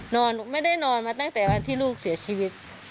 ไม่ได้นอนมาตั้งแต่วันที่ลูกเสียชีวิต